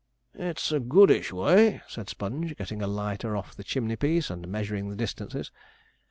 'It's a goodish way,' said Sponge, getting a lighter off the chimney piece, and measuring the distances.